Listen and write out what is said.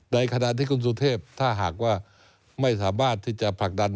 ในขณะที่กรุงสุเทพถ้าหากว่าไม่สามารถที่จะผลักดัน